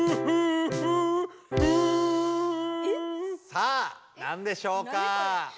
さあなんでしょうか。